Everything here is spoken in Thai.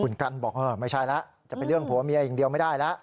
คุณกันบอกเออไม่ใช่แล้วจะเป็นเรื่องผัวเมียอย่างเดียวไม่ได้แล้ว